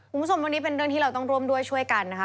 คุณผู้ชมวันนี้เป็นเรื่องที่เราต้องร่วมด้วยช่วยกันนะคะ